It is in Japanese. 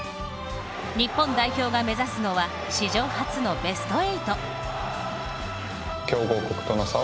日本代表が目指すのは史上初のベスト８。